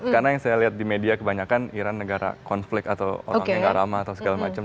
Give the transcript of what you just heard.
karena yang saya lihat di media kebanyakan iran negara konflik atau orangnya gak ramah atau segala macam